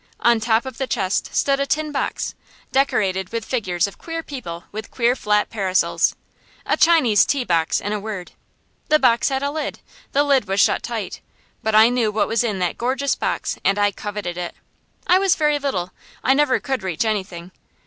On top of the chest stood a tin box, decorated with figures of queer people with queer flat parasols; a Chinese tea box, in a word. The box had a lid. The lid was shut tight. But I knew what was in that gorgeous box and I coveted it. I was very little I never could reach anything.